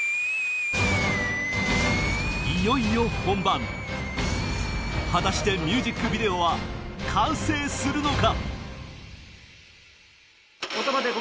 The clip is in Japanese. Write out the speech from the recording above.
いよいよミュージックビデオは完成するのか？